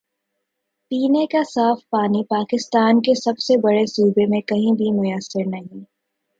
پینے کا صاف پانی پاکستان کے سب سے بڑے صوبے میں کہیں بھی میسر نہیں۔